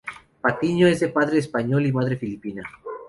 Patiño, de padre español y madre filipina.